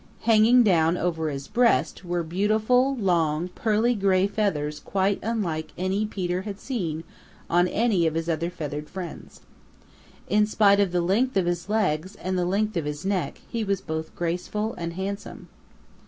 Hanging down over his breast were beautiful long pearly gray feathers quite unlike any Peter had seen on any of his other feathered friends. In spite of the length of his legs and the length of his neck he was both graceful and handsome.